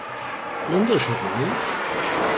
¿Lendo o xornal?